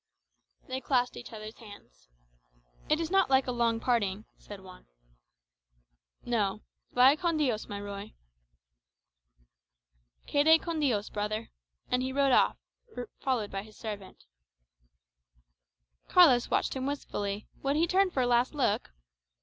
They clasped each other's hands. "It is not like a long parting," said Juan. "No. Vaya con Dios, my Ruy." "Quede con Dios,[#] brother;" and he rode off, followed by his servant. [#] Remain with God. Carlos watched him wistfully; would he turn for a last look?